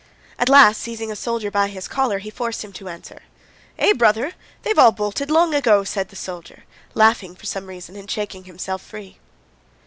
At last seizing a soldier by his collar he forced him to answer. "Eh, brother! They've all bolted long ago!" said the soldier, laughing for some reason and shaking himself free.